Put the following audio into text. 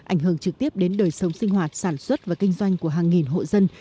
ảnh hưởng trực tiếp đến đời sống sinh hoạt sản xuất và kinh doanh của hàng nghìn hộ dân